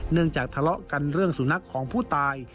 จากทะเลาะกันเรื่องสุนัขของผู้ตาย